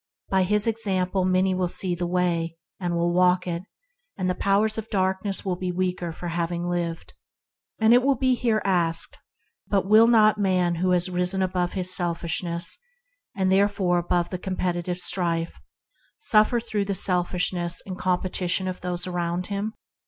By his example many will see the Way, and will walk it; and the powers of light shall be the stronger for his having lived. It will here be asked: "But will not a man who has risen above his selfishness, mm 30 ENTERING THE KINGDOM and therefore above the competitive strife, suffer through the selfishness and com petition of those around him